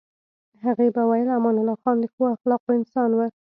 هغې به ویل امان الله خان د ښو اخلاقو انسان و.